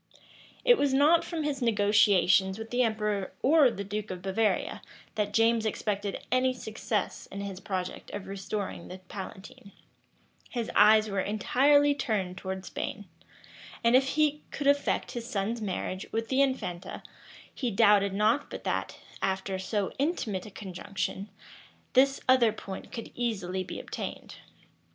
It was not from his negotiations with the emperor or the duke of Bavaria, that James expected any success in his project of restoring the palatine: his eyes were entirely turned towards Spain; and if he could effect his son's marriage with the infanta, he doubted not but that, after so intimate a conjunction, this other point could easily be obtained.